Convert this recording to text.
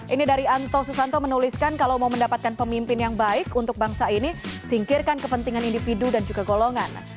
ini dari anto susanto menuliskan kalau mau mendapatkan pemimpin yang baik untuk bangsa ini singkirkan kepentingan individu dan juga golongan